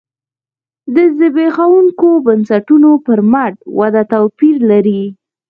د زبېښونکو بنسټونو پر مټ وده توپیر لري.